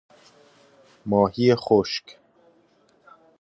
ماهی خشک